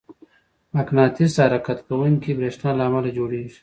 مقناطیس د حرکت کوونکي برېښنا له امله جوړېږي.